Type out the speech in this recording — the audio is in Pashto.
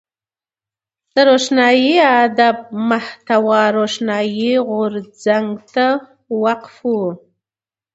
د روښاني ادب محتوا و روښاني غورځنګ ته وقف وه.